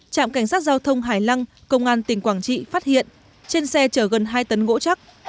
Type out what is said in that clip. trạm cảnh sát giao thông hải lăng công an tỉnh quảng trị phát hiện trên xe chở gần hai tấn gỗ chắc